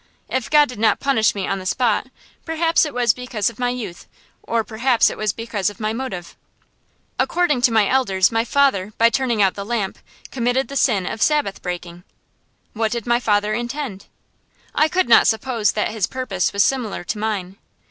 If God did not punish me on the spot, perhaps it was because of my youth or perhaps it was because of my motive. According to my elders, my father, by turning out the lamp, committed the sin of Sabbath breaking. What did my father intend? I could not suppose that his purpose was similar to mine.